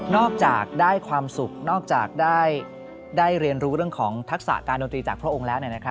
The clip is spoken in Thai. จากได้ความสุขนอกจากได้เรียนรู้เรื่องของทักษะการดนตรีจากพระองค์แล้ว